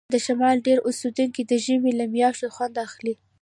د شمال ډیری اوسیدونکي د ژمي له میاشتو خوند اخلي